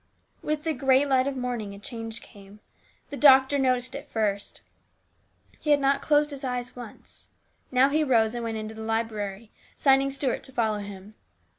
With the grey light of morning a change came. The doctor noticed it first. He had not closed his eyes once. Now he rose and went into the library, signing to Stuart to follow him.